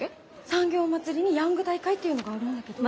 産業まつりにヤング大会っていうのがあるんだけど。